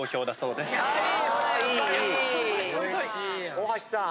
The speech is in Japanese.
大橋さん